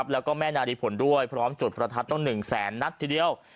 แล้วก็แม่นาริผลด้วยพร้อมจุดประทัดต้อง๑แสนนัดทีเดียว